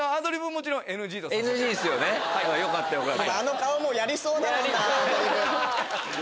よかったよかった。